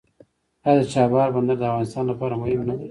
آیا د چابهار بندر د افغانستان لپاره مهم نه دی؟